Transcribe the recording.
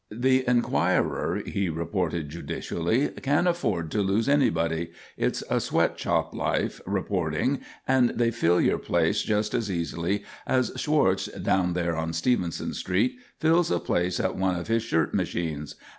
"The Enquirer," he reported judicially, "can afford to lose anybody. It's a sweat shop life, reporting; and they fill your place just as easily as Schwartz, down there on Stevenson Street, fills a place at one of his shirt machines.